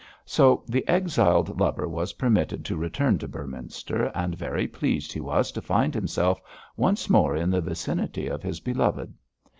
So the exiled lover was permitted to return to Beorminster, and very pleased he was to find himself once more in the vicinity of his beloved.